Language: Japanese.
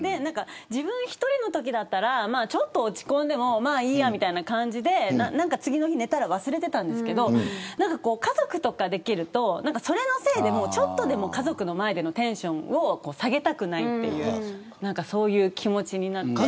自分一人のときだったらちょっと落ち込んでもいいやという感じで次の日寝たら忘れていたんですけれど家族とかできるとそのせいでちょっとでも家族の前でテンションを下げたくないというそういう気持ちになって。